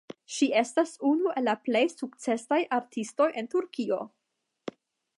Ŝi estas unu el la plej sukcesaj artistoj en Turkio.